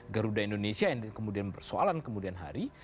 garuda indonesia yang kemudian persoalan kemudian hari